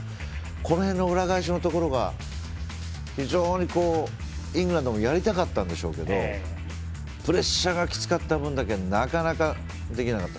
この辺の裏返しのところが非常にイングランドもやりたかったんでしょうけどプレッシャーがきつかった分だけなかなか、できなかった。